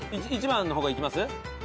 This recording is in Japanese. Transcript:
１番の方いきます？